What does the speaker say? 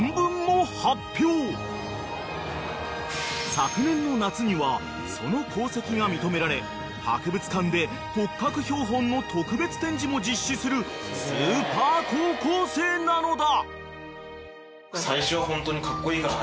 ［昨年の夏にはその功績が認められ博物館で骨格標本の特別展示も実施するスーパー高校生なのだ］